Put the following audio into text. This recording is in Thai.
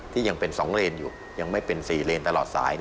ยังเป็น๒เลนอยู่ยังไม่เป็น๔เลนตลอดสาย